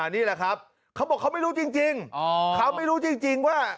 นี่แหละครับเขาบอกเขาไม่รู้จริงเขาไม่รู้จริงว่า